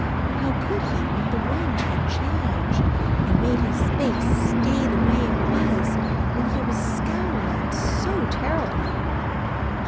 How could he when the wind had changed and made his face stay the way it was when he was scowling so terribly?